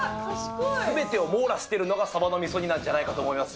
すべてを網羅してるのがさばのみそ煮なんじゃないかと思います。